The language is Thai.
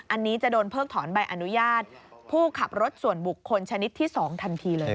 อันนี้จะโดนเพิกถอนใบอนุญาตผู้ขับรถส่วนบุคคลชนิดที่๒ทันทีเลย